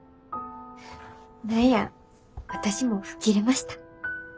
何や私も吹っ切れました。